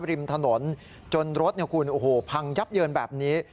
ริมถนนจนรถคุณโอ้โหพังยับเยินแบบนี้